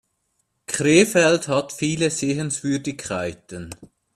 Krefeld hat viele Sehenswürdigkeiten